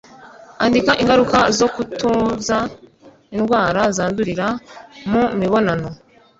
andika ingaruka zo kut uza indwara zandurira mu mibonano